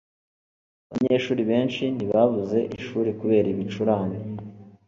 Abanyeshuri benshi ntibabuze ishuri kubera ibicurane